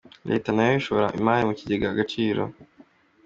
Leta na yo ishora imari mu kigega Agaciro.